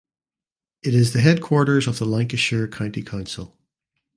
It is the headquarters of Lancashire County Council.